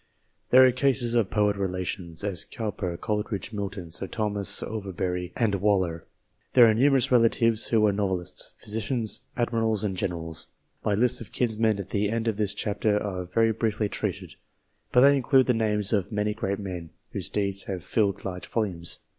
There are cases of Poet relations, as Cowper, Coleridge, Milton, Sir Thomas Overbury, and Waller. There are numerous relatives who are novelists, physicians, admirals, and generals. My lists of kinsmen at the end of this chapter are very briefly treated, but they include the names of many great men, whose deeds have filled large volumes.